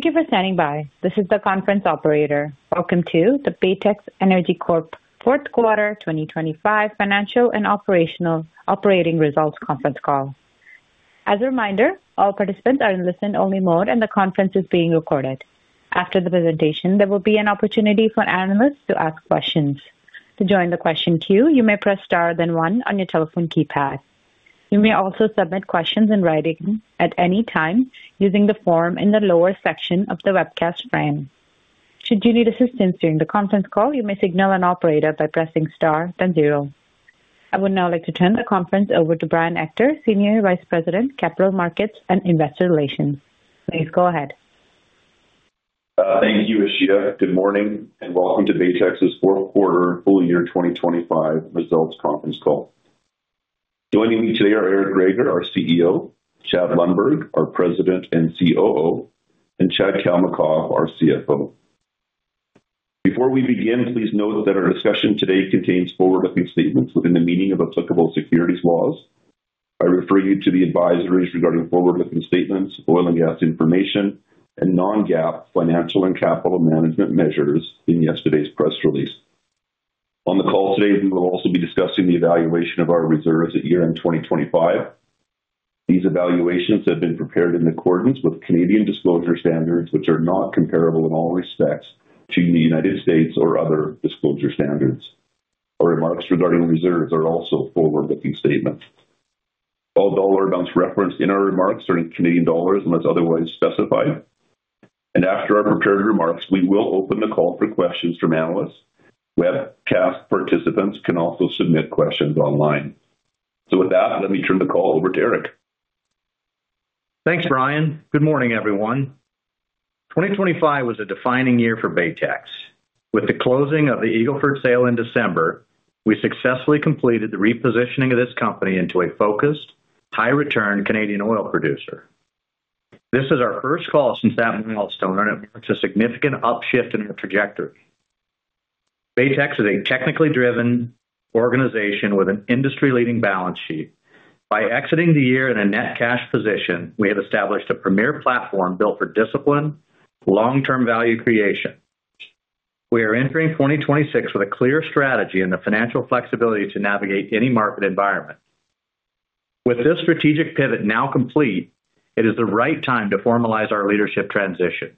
Thank you for standing by. This is the conference operator. Welcome to the Baytex Energy Corp Fourth Quarter 2025 Financial and Operational Operating Results Conference Call. As a reminder, all participants are in listen only mode and the conference is being recorded. After the presentation, there will be an opportunity for analysts to ask questions. To join the question queue, you may press star then one on your telephone keypad. You may also submit questions in writing at any time using the form in the lower section of the webcast frame. Should you need assistance during the conference call, you may signal an operator by pressing star then zero. I would now like to turn the conference over to Brian Ector, Senior Vice President, Capital Markets and Investor Relations. Please go ahead. Thank you, Ishita. Good morning and welcome to Baytex's Fourth Quarter Full-Year 2025 Results Conference Call. Joining me today are Eric Greager, our CEO, Chad Lundberg, our President and COO, and Chad Kalmakoff, our CFO. Before we begin, please note that our discussion today contains forward-looking statements within the meaning of applicable securities laws. I refer you to the advisories regarding forward-looking statements, oil and gas information, and non-GAAP financial and capital management measures in yesterday's press release. On the call today, we will also be discussing the evaluation of our reserves at year-end 2025. These evaluations have been prepared in accordance with Canadian disclosure standards, which are not comparable in all respects to the United States or other disclosure standards. Our remarks regarding reserves are also forward-looking statements. All dollar amounts referenced in our remarks are in Canadian dollars unless otherwise specified. After our prepared remarks, we will open the call for questions from analysts. Webcast participants can also submit questions online. With that, let me turn the call over to Eric. Thanks, Brian. Good morning, everyone. 2025 was a defining year for Baytex. With the closing of the Eagle Ford sale in December, we successfully completed the repositioning of this company into a focused high return Canadian oil producer. This is our first call since that milestone. It marks a significant upshift in our trajectory. Baytex is a technically driven organization with an industry leading balance sheet. By exiting the year in a net cash position, we have established a premier platform built for disciplined long-term value creation. We are entering 2026 with a clear strategy and the financial flexibility to navigate any market environment. With this strategic pivot now complete, it is the right time to formalize our leadership transition.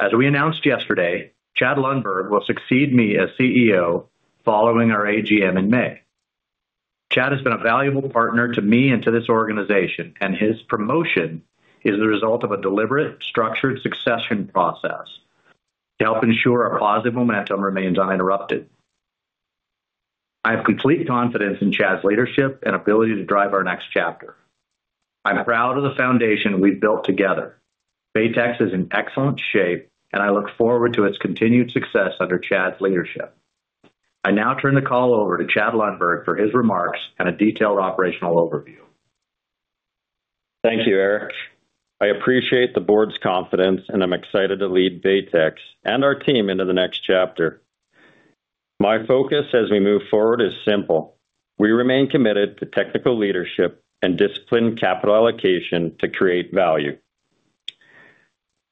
As we announced yesterday, Chad Lundberg will succeed me as CEO following our AGM in May. Chad has been a valuable partner to me and to this organization. His promotion is the result of a deliberate, structured succession process to help ensure our positive momentum remains uninterrupted. I have complete confidence in Chad's leadership and ability to drive our next chapter. I'm proud of the foundation we've built together. Baytex is in excellent shape and I look forward to its continued success under Chad's leadership. I now turn the call over to Chad Lundberg for his remarks and a detailed operational overview. Thank you, Eric. I appreciate the Board's confidence and I'm excited to lead Baytex and our team into the next chapter. My focus as we move forward is simple. We remain committed to technical leadership and disciplined capital allocation to create value.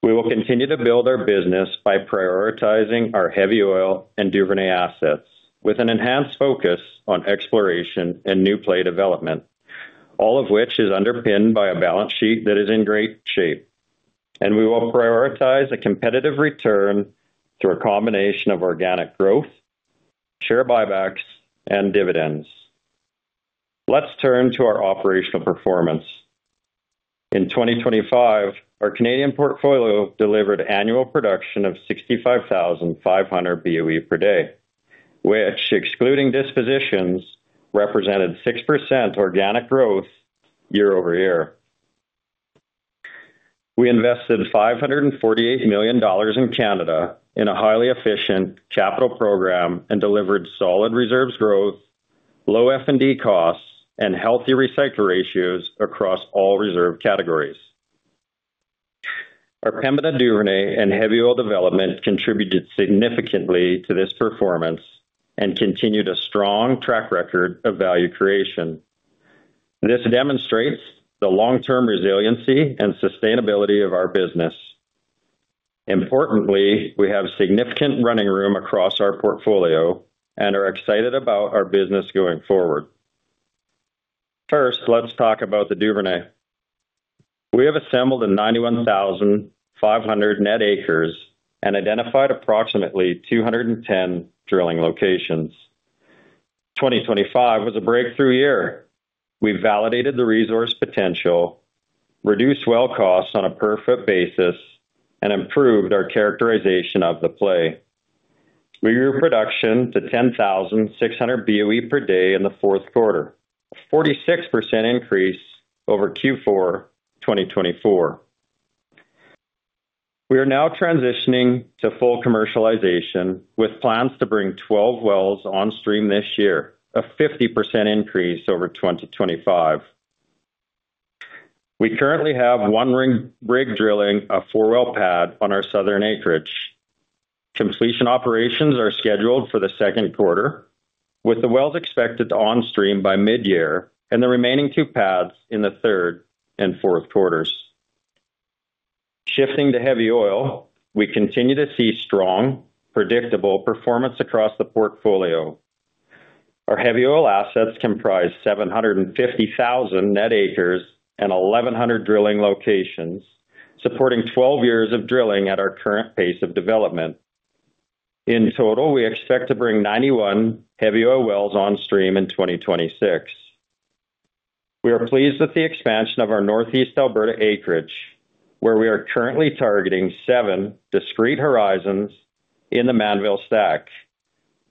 We will continue to build our business by prioritizing our heavy oil and Duvernay assets with an enhanced focus on exploration and new play development, all of which is underpinned by a balance sheet that is in great shape. We will prioritize a competitive return through a combination of organic growth, share buybacks and dividends. Let's turn to our operational performance. In 2025, our Canadian portfolio delivered annual production of 65,500 BOE per day, which excluding dispositions, represented 6% organic growth year-over-year. We invested 548 million dollars in Canada in a highly efficient capital program and delivered solid reserves growth, low F&D costs, and healthy recycle ratios across all reserve categories. Our Pembina Duvernay and heavy oil development contributed significantly to this performance and continued a strong track record of value creation. This demonstrates the long-term resiliency and sustainability of our business. Importantly, we have significant running room across our portfolio and are excited about our business going forward. First, let's talk about the Duvernay. We have assembled 91,500 net acres and identified approximately 210 drilling locations. 2025 was a breakthrough year. We validated the resource potential, reduced well costs on a per foot basis, and improved our characterization of the play. We grew production to 10,600 BOE per day in the fourth quarter, a 46% increase over Q4 2024. We are now transitioning to full commercialization with plans to bring 12 wells on stream this year, a 50% increase over 2025. We currently have one rig drilling a four-well pad on our southern acreage. Completion operations are scheduled for the second quarter, with the wells expected to onstream by mid-year and the remaining two pads in the third and fourth quarters. Shifting to heavy oil, we continue to see strong, predictable performance across the portfolio. Our heavy oil assets comprise 750,000 net acres and 1,100 drilling locations, supporting 12 years of drilling at our current pace of development. In total, we expect to bring 91 heavy oil wells on stream in 2026. We are pleased with the expansion of our Northeast Alberta acreage, where we are currently targeting seven discrete horizons in the Mannville stack.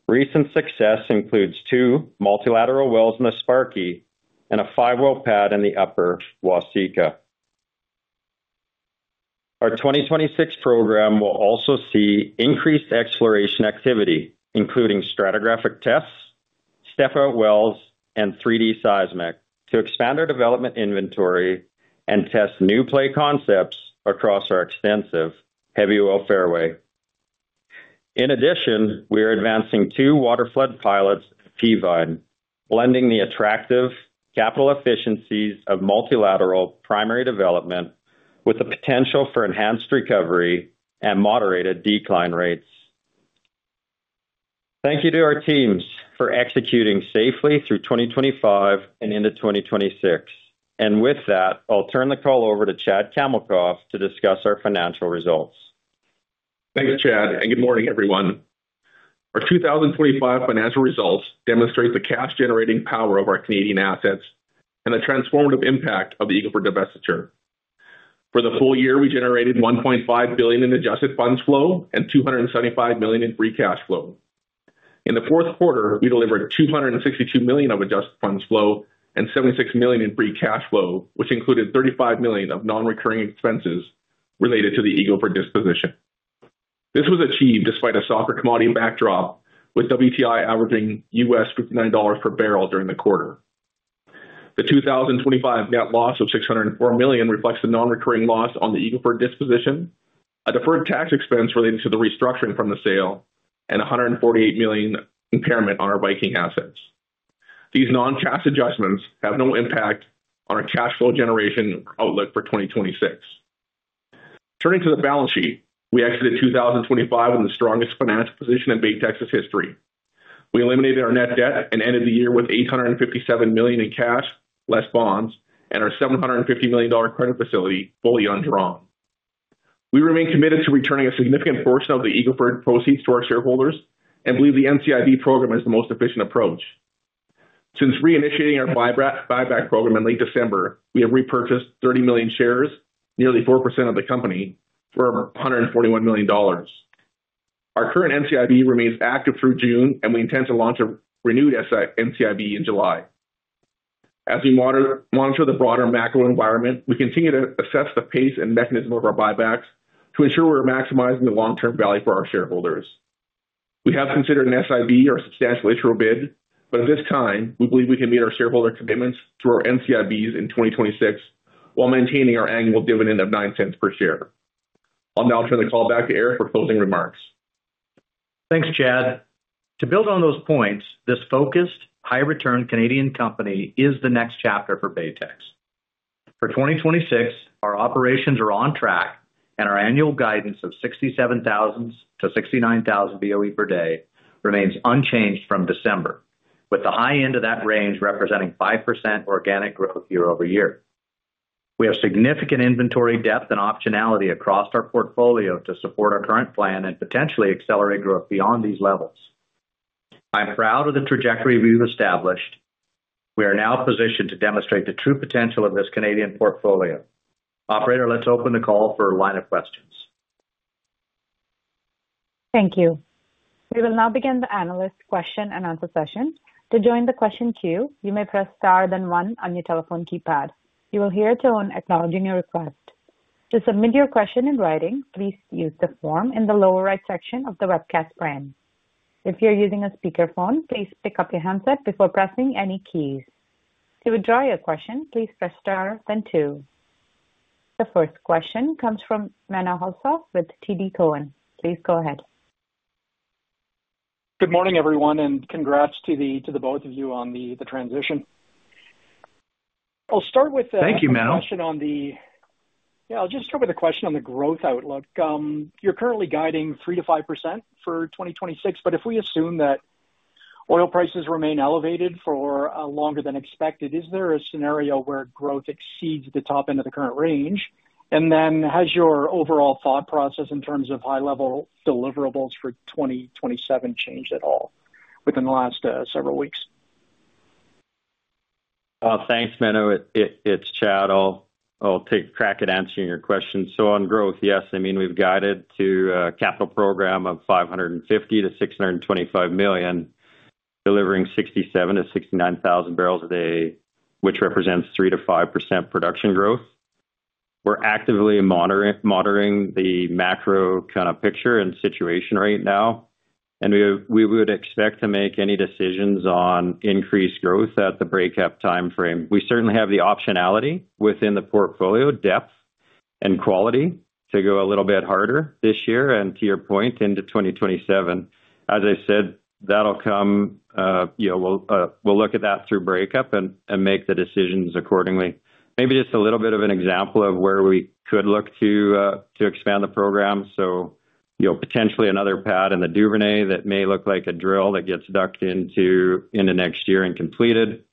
Recent success includes two multilateral wells in the Sparky and a five-well pad in the upper Waseca. Our 2026 program will also see increased exploration activity, including stratigraphic tests, step-out wells, and 3D seismic to expand our development inventory and test new play concepts across our extensive heavy oil fairway. In addition, we are advancing two waterflood pilots at Peavine, blending the attractive capital efficiencies of multilateral primary development with the potential for enhanced recovery and moderated decline rates. Thank you to our teams for executing safely through 2025 and into 2026. With that, I'll turn the call over to Chad Kalmakoff to discuss our financial results. Thank you, Chad, and good morning, everyone. Our 2025 financial results demonstrate the cash generating power of our Canadian assets and the transformative impact of the Eagle Ford divestiture. For the full year, we generated 1.5 billion in adjusted funds flow and 275 million in free cash flow. In the fourth quarter, we delivered 262 million of adjusted funds flow and 76 million in free cash flow, which included 35 million of non-recurring expenses related to the Eagle Ford disposition. This was achieved despite a softer commodity backdrop, with WTI averaging US $59 per barrel during the quarter. The 2025 net loss of 604 million reflects the non-recurring loss on the Eagle Ford disposition, a deferred tax expense relating to the restructuring from the sale, and a 148 million impairment on our Viking assets. These non-cash adjustments have no impact on our cash flow generation outlook for 2026. Turning to the balance sheet. We exited 2025 with the strongest financial position in Baytex's history. We eliminated our net debt and ended the year with 857 million in cash, less bonds, and our 750 million dollar credit facility fully undrawn. We remain committed to returning a significant portion of the Eagle Ford proceeds to our shareholders and believe the NCIB program is the most efficient approach. Since reinitiating our buyback program in late December, we have repurchased 30 million shares, nearly 4% of the company, for $141 million. Our current NCIB remains active through June. We intend to launch a renewed NCIB in July. As we monitor the broader macro environment, we continue to assess the pace and mechanism of our buybacks to ensure we're maximizing the long-term value for our shareholders. We have considered an SIB or substantial issuer bid, but at this time, we believe we can meet our shareholder commitments through our NCIBs in 2026 while maintaining our annual dividend of 0.09 per share. I'll now turn the call back to Eric for closing remarks. Thanks, Chad. To build on those points, this focused, high return Canadian company is the next chapter for Baytex. For 2026, our operations are on track and our annual guidance of 67,000-69,000 BOE per day remains unchanged from December, with the high end of that range representing 5% organic growth year-over-year. We have significant inventory depth and optionality across our portfolio to support our current plan and potentially accelerate growth beyond these levels. I'm proud of the trajectory we've established. We are now positioned to demonstrate the true potential of this Canadian portfolio. Operator, let's open the call for a line of questions. Thank you. We will now begin the analyst question-and-answer session. To join the question queue, you may press star, then one on your telephone keypad. You will hear a tone acknowledging your request. To submit your question in writing, please use the form in the lower right section of the webcast frame. If you're using a speakerphone, please pick up your handset before pressing any keys. To withdraw your question, please press star then two. The first question comes from Menno Hulshof with TD Cowen. Please go ahead. Good morning, everyone, congrats to the both of you on the transition. I'll start with. Thank you, Mano. Yeah, I'll just start with a question on the growth outlook. You're currently guiding 3% to 5% for 2026, but if we assume that oil prices remain elevated for longer than expected, is there a scenario where growth exceeds the top end of the current range? Has your overall thought process in terms of high-level deliverables for 2027 changed at all within the last several weeks? Thanks, Mano. It's Chad. I'll take a crack at answering your question. On growth, yes. I mean, we've guided to a capital program of 550 million-625 million, delivering 67,000-69,000 bbl a day, which represents 3%-5% production growth. We're actively monitoring the macro kind of picture and situation right now and we would expect to make any decisions on increased growth at the breakup timeframe. We certainly have the optionality within the portfolio depth and quality to go a little bit harder this year and to your point, into 2027. As I said, that'll come, you know, we'll look at that through breakup and make the decisions accordingly. Maybe just a little bit of an example of where we could look to expand the program. You know, potentially another pad in the Duvernay that may look like a drill that gets ducked into in the next year and completed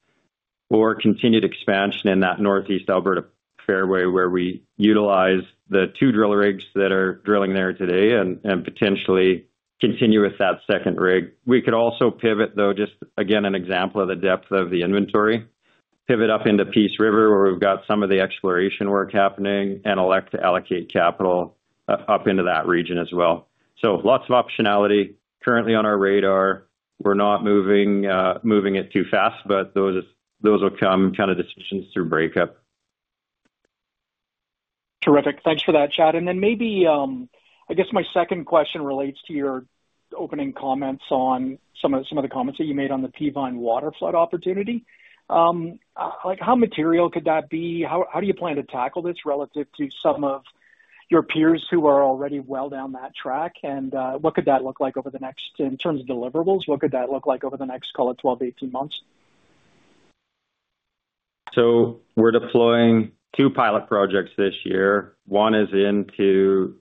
or continued expansion in that Northeast Alberta fairway where we utilize the two drill rigs that are drilling there today and potentially continue with that second rig. We could also pivot, though, just again, an example of the depth of the inventory, pivot up into Peace River, where we've got some of the exploration work happening and elect to allocate capital up into that region as well. lots of optionality currently on our radar. We're not moving moving it too fast, but those will come kind of decisions through breakup. Terrific. Thanks for that, Chad. Then maybe, I guess my second question relates to your opening comments on some of the comments that you made on the Peavine waterflood opportunity. Like, how material could that be? How do you plan to tackle this relative to some of your peers who are already well down that track? What could that look like in terms of deliverables, what could that look like over the next, call it, 12 to 18 months? We're deploying two pilot projects this year. One is into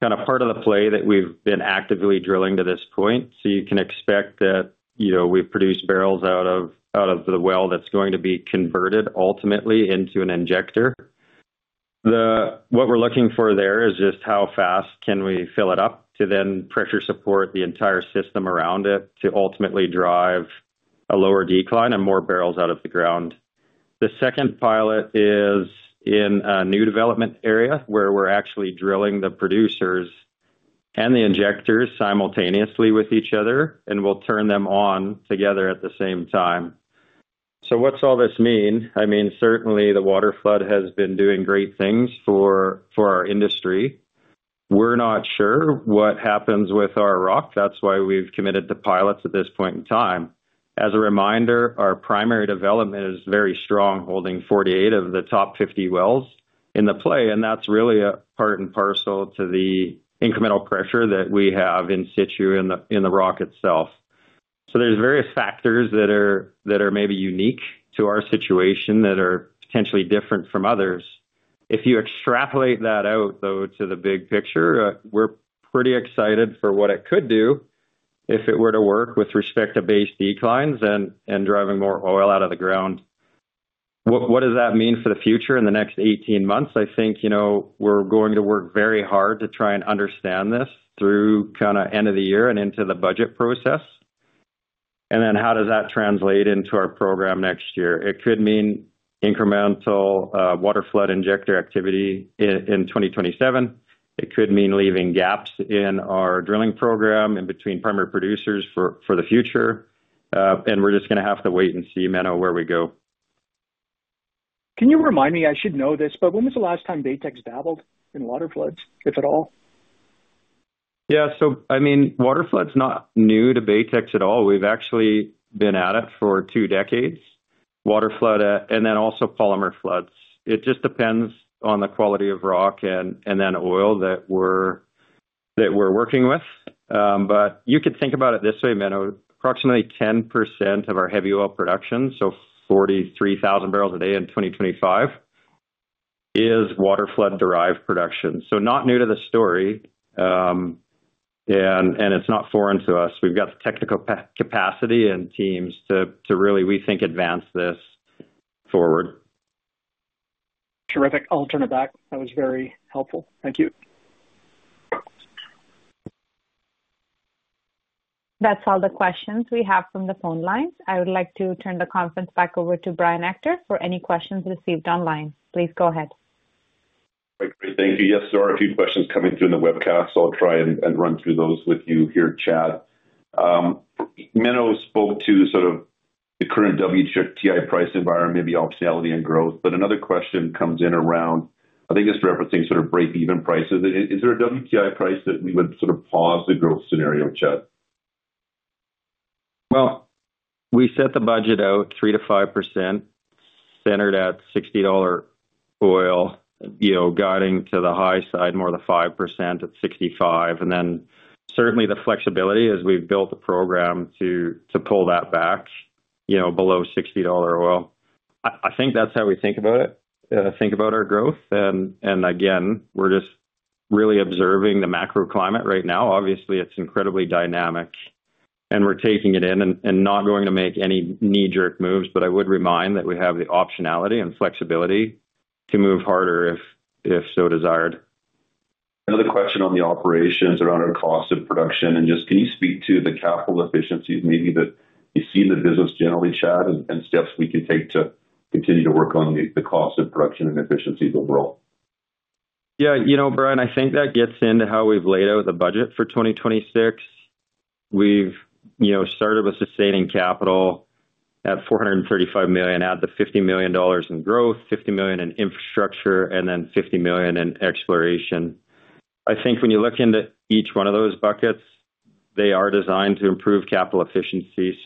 the kind of part of the play that we've been actively drilling to this point. You can expect that, you know, we've produced barrels out of the well that's going to be converted ultimately into an injector. What we're looking for there is just how fast can we fill it up to then pressure support the entire system around it to ultimately drive a lower decline and more barrels out of the ground. The second pilot is in a new development area where we're actually drilling the producers and the injectors simultaneously with each other, and we'll turn them on together at the same time. What's all this mean? I mean, certainly the waterflood has been doing great things for our industry. We're not sure what happens with our rock. That's why we've committed to pilots at this point in time. As a reminder, our primary development is very strong, holding 48 of the top 50 wells in the play, and that's really a part and parcel to the incremental pressure that we have in situ in the rock itself. There's various factors that are maybe unique to our situation that are potentially different from others. If you extrapolate that out, though, to the big picture, we're pretty excited for what it could do if it were to work with respect to base declines and driving more oil out of the ground. What does that mean for the future in the next 18 months? I think, you know, we're going to work very hard to try and understand this through kinda end of the year and into the budget process. How does that translate into our program next year? It could mean incremental waterflood injector activity in 2027. It could mean leaving gaps in our drilling program in between primary producers for the future and we're just gonna have to wait and see, Menno, where we go. Can you remind me, I should know this, but when was the last time Baytex dabbled in waterfloods, if at all? I mean, waterflood's not new to Baytex at all. We've actually been at it for two decades. Waterflood and then also polymer floods. It just depends on the quality of rock and then oil that we're working with. You could think about it this way, Menno, approximately 10% of our heavy oil production, so 43,000 bbl a day in 2025, is waterflood-derived production. Not new to the story, and it's not foreign to us. We've got the technical capacity and teams to really, we think, advance this forward. Terrific. I'll turn it back. That was very helpful. Thank you. That's all the questions we have from the phone lines. I would like to turn the conference back over to Brian Ector for any questions received online. Please go ahead. Great. Thank you. Yes, there are a few questions coming through in the webcast, I'll try and run through those with you here, Chad. Menno spoke to sort of the current WTI price environment, maybe optionality and growth, another question comes in around, I think it's referencing sort of breakeven prices. Is there a WTI price that we would sort of pause the growth scenario, Chad? Well, we set the budget out 3%-5%, centered at $60 oil, you know, guiding to the high side more the 5% at $65. Certainly the flexibility as we've built the program to pull that back, you know, below $60 oil. I think that's how we think about it, think about our growth. Again, we're just really observing the macro climate right now. Obviously, it's incredibly dynamic, and we're taking it in and not going to make any knee-jerk moves. I would remind that we have the optionality and flexibility to move harder if so desired. Another question on the operations around our cost of production, and just can you speak to the capital efficiencies maybe that you see in the business generally, Chad, and steps we can take to continue to work on the cost of production and efficiencies overall? You know, Brian, I think that gets into how we've laid out the budget for 2026. We've, you know, started with sustaining capital at 435 million, add the 50 million dollars in growth, 50 million in infrastructure, and 50 million in exploration. I think when you look into each one of those buckets, they are designed to improve capital efficiency.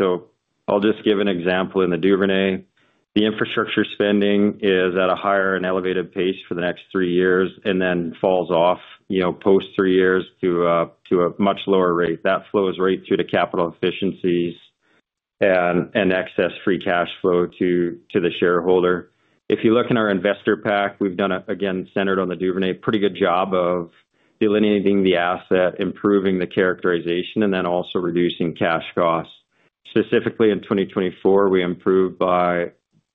I'll just give an example in the Duvernay. The infrastructure spending is at a higher and elevated pace for the next three years and then falls off, you know, post three years to a much lower rate. That flows right through to capital efficiencies and excess free cash flow to the shareholder. If you look in our Investor Pack, we've done, again, centered on the Duvernay, pretty good job of delineating the asset, improving the characterization, and then also reducing cash costs. Specifically in 2024, we improved by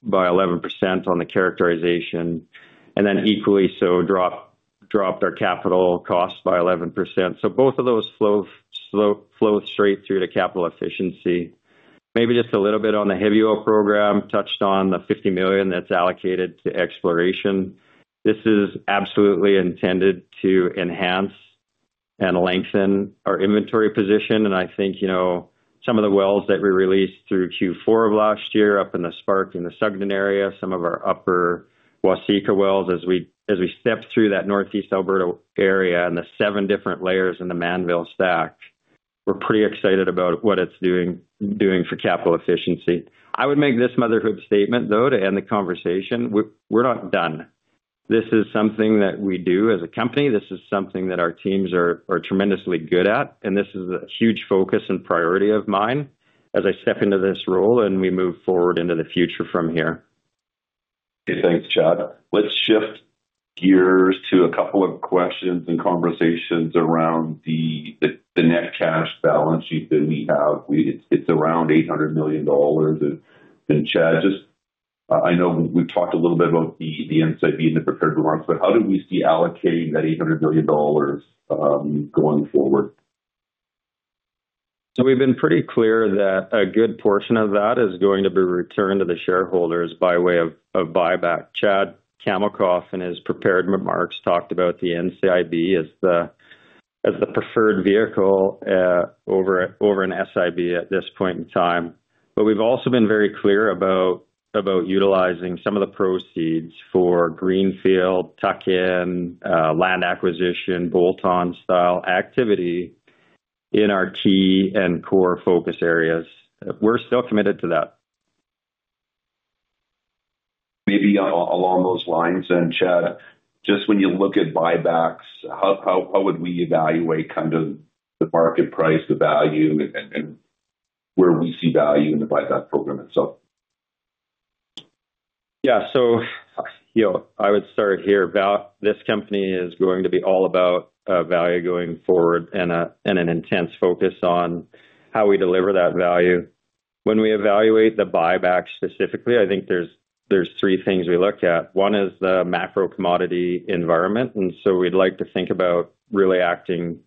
11% on the characterization, and then equally so dropped our capital costs by 11%. Both of those flow straight through to capital efficiency. Maybe just a little bit on the heavy oil program. Touched on the 50 million that's allocated to exploration. This is absolutely intended to enhance and lengthen our inventory position. I think, you know, some of the wells that we released through Q4 of last year up in the Sparky and the Sugden area, some of our Upper Waseca wells as we step through that Northeast Alberta area and the seven different layers in the Mannville stack, we're pretty excited about what it's doing for capital efficiency. I would make this motherhood statement, though, to end the conversation. We're not done. This is something that we do as a company. This is something that our teams are tremendously good at, and this is a huge focus and priority of mine as I step into this role and we move forward into the future from here. Okay, thanks, Chad. Let's shift gears to a couple of questions and conversations around the net cash balance sheet that we have, it's around $800 million. Chad, just, I know we've talked a little bit about the NCIB in the prepared remarks, but how do we see allocating that $800 million going forward? We've been pretty clear that a good portion of that is going to be returned to the shareholders by way of buyback. Chad Kalmakoff, in his prepared remarks, talked about the NCIB as the preferred vehicle over an SIB at this point in time. We've also been very clear about utilizing some of the proceeds for greenfield, tuck-in, land acquisition, bolt-on style activity in our key and core focus areas. We're still committed to that. Maybe along those lines then, Chad, just when you look at buybacks, how would we evaluate kind of the market price, the value, and where we see value in the buyback program itself? You know, I would start here. This company is going to be all about value going forward and an intense focus on how we deliver that value. When we evaluate the buyback specifically, I think there's three things we look at. One is the macro commodity environment. We'd like to think about really acting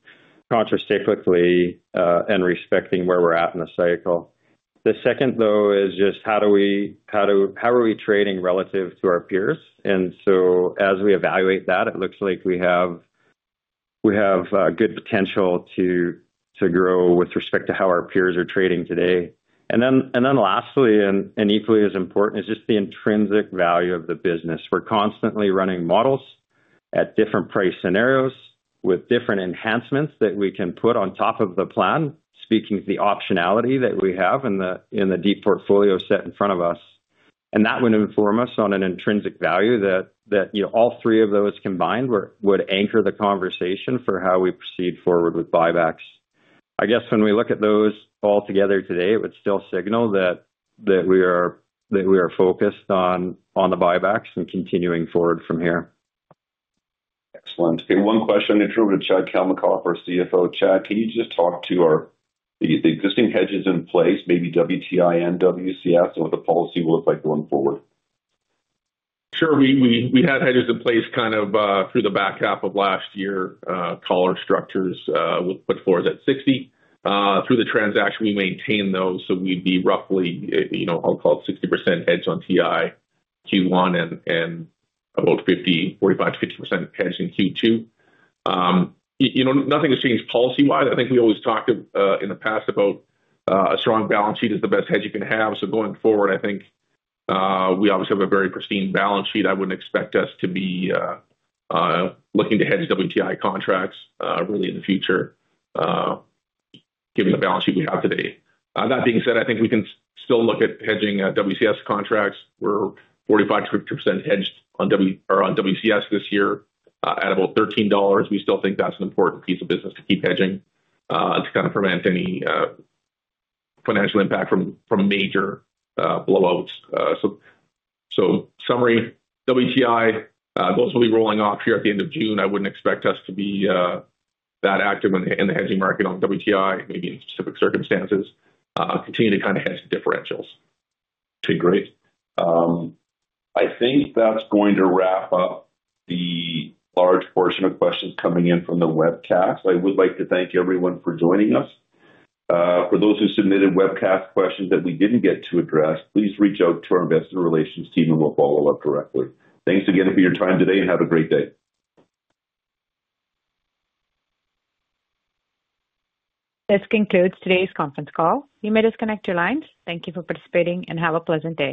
countercyclically and respecting where we're at in the cycle. The second, though, is just how are we trading relative to our peers? As we evaluate that, it looks like we have good potential to grow with respect to how our peers are trading today. Lastly, and equally as important is just the intrinsic value of the business. We're constantly running models at different price scenarios with different enhancements that we can put on top of the plan, speaking to the optionality that we have in the, in the deep portfolio set in front of us. That would inform us on an intrinsic value that, you know, all three of those combined would anchor the conversation for how we proceed forward with buybacks. I guess when we look at those all together today, it would still signal that we are focused on the buybacks and continuing forward from here. Excellent. One question I'm gonna throw over to Chad Kalmakoff, our CFO. Chad, can you just talk to the existing hedges in place, maybe WTI and WCS, and what the policy will look like going forward? Sure. We had hedges in place kind of through the back half of last year, collar structures, with put floors at 60%. Through the transaction, we maintain those, so we'd be roughly, you know, I'll call it 60% hedged on TI Q1 and about 50%, 45%-50% hedged in Q2. You know, nothing has changed policy-wise. I think we always talked in the past about a strong balance sheet is the best hedge you can have. Going forward, I think we obviously have a very pristine balance sheet. I wouldn't expect us to be looking to hedge WTI contracts really in the future given the balance sheet we have today. That being said, I think we can still look at hedging WCS contracts. We're 45%-50% hedged on WCS this year, at about $13. We still think that's an important piece of business to keep hedging, to kind of prevent any financial impact from major blowouts. Summary, WTI, those will be rolling off here at the end of June. I wouldn't expect us to be that active in the hedging market on WTI, maybe in specific circumstances. Continue to kinda hedge differentials. Okay, great. I think that's going to wrap up the large portion of questions coming in from the webcast. I would like to thank everyone for joining us. For those who submitted webcast questions that we didn't get to address, please reach out to our investor relations team, and we'll follow up directly. Thanks again for your time today, and have a great day. This concludes today's conference call. You may disconnect your lines. Thank you for participating, and have a pleasant day.